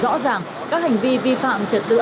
rõ ràng các hành vi vi phạm trật tự